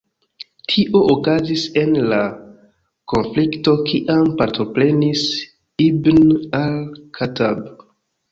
Tio okazis en la konflikto kiam partoprenis Ibn al-Khattab.